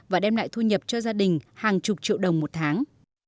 và đem lại thu nhập cho gia đình hàng chục triệu đồng một tháng